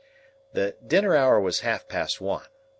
The dinner hour was half past one.